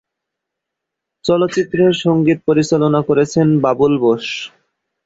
চলচ্চিত্রের সংগীত পরিচালনা করেছেন বাবুল বোস।